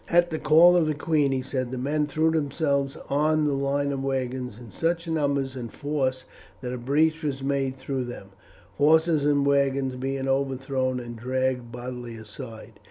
At the call of the queen, he said, the men threw themselves on the line of wagons in such number and force that a breach was made through them, horses and wagons being overthrown and dragged bodily aside.